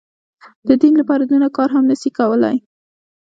د دين لپاره دونه کار هم نه سي کولاى.